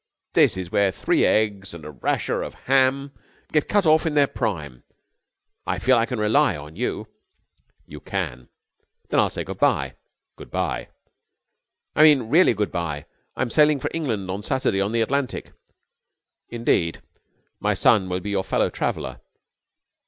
This is where three eggs and a rasher of ham get cut off in their prime. I feel I can rely on you." "You can!" "Then I'll say good bye." "Good bye." "I mean really good bye. I'm sailing for England on Saturday on the Atlantic." "Indeed? My son will be your fellow traveller."